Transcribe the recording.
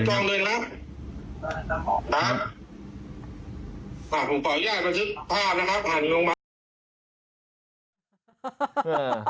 ผมปล่อยแย่ไปพิษภาพนะครับห่างนี้ลงมา